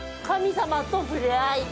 「神様と触れ合い」。